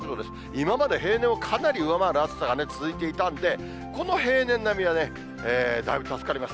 今まで平年をかなり上回る暑さが続いていたんで、この平年並みはね、だいぶ助かります。